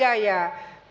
pak pangdam v brawijaya